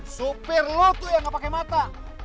sopir lo tuh yang nggak pakai mata